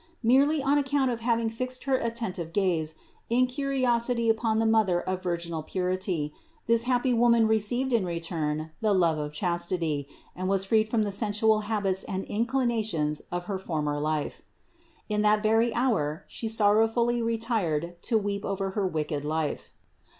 Merely on ac count of having fixed her attentive gaze . in curiosity upon the Mother of virginal purity, this happy woman received in return the love of chastity and was freed from the sensual habits and inclinations of her former life. In that very hour she sorrowfully retired to weep over her wicked life.